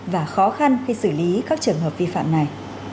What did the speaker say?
và khó khăn khi xử lý các trường hợp vi phạm này